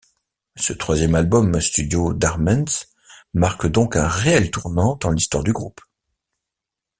Ce troisième album studio d'Armens, marque donc un réel tournant dans l'histoire du groupe.